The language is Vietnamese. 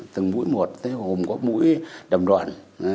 từng mũi một tới hồn có mũi đầm đoạn